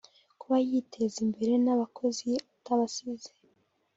Kuba yiteza imbere n’aba bakozi atabasize